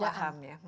mulai paham ya